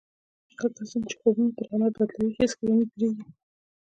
هغه کسان چې خوبونه پر عمل بدلوي هېڅکله نه درېږي